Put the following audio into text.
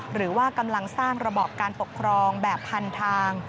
หรือว่ากำลังสร้างระบอบการปกครองแบบพันทาง